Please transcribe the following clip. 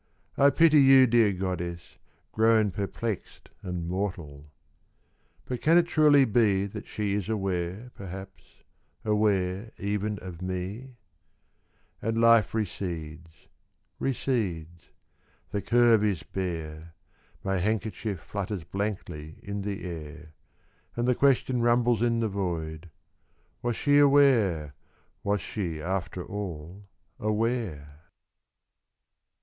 I pity you, dear goddess, grown Perplexed and mortal.' But can it truly be That she is aware, perhaps, aware even of me ? And life recedes, recedes ; the curve is bare, My handkerchief flutters blankly in the air ; And the question rumbles in the void, Was she aware, was she after all aware